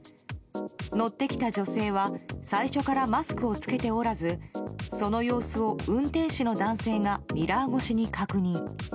乗ってきた女性は最初からマスクを着けておらずその様子を運転手の男性がミラー越しに確認。